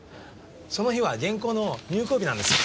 その日は原稿の入稿日なんです。